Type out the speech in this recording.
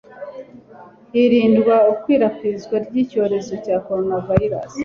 hirindwa ikwirakwizwa ry'icyorezo cya Coronavirus.